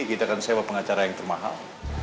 kita akan sewa pengacara yang termahal